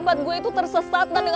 aku mau ke rumah